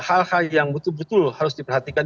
hal hal yang betul betul harus diperhatikan